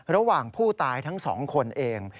ระหว่างผู้ตายทั้งสองคนเอง